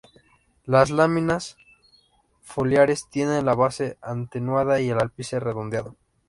Las láminas foliares tienen la base atenuada y el ápice redondeado.